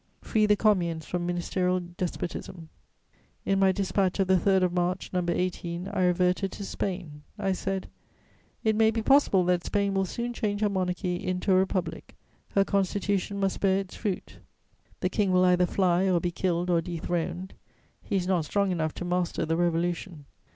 "Free the communes from ministerial despotism." In my despatch of the 3rd of March, No. 18, I reverted to Spain; I said: "It may be possible that Spain will soon change her monarchy into a republic: her Constitution must bear its fruit. The King will either fly or be killed or dethroned; he is not strong enough to master the revolution.